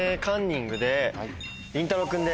りんたろう君で。